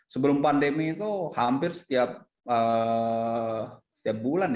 sebelum pandemi itu hampir setiap bulan ya